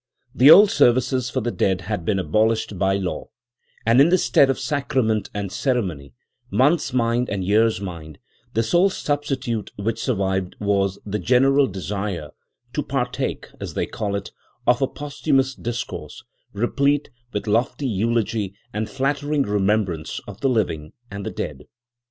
The old services for the dead had been abolished by law, and in the stead of sacrament and ceremony, month's mind and year's mind, the sole substitute which survived was the general desire "to partake," as they called it, of a posthumous discourse, replete with lofty eulogy and flattering remembrance of the living and the dead.